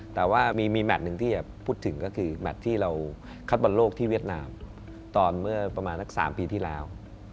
แต่ว่ามีแมทหนึ่งที่จะพูดถึงก็คือแมทที่เราคัดบอลโลกที่เวียดนามตอนเมื่อประมาณสัก๓ปีที่แล้ว